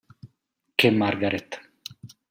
Che Margaret.